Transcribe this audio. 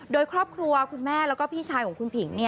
โดยครอบครัวคุณแม่แล้วก็พี่ชายของคุณผิง